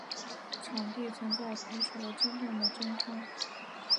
场的存在排除了真正的真空。